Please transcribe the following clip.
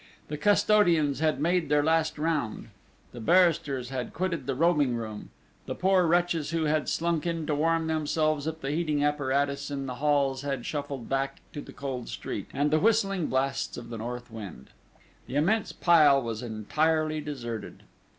The custodians had made their last round; the barristers had quitted the robing room; the poor wretches who had slunk in to warm themselves at the heating apparatus in the halls had shuffled back to the cold street, and the whistling blasts of the north wind. The immense pile was entirely deserted.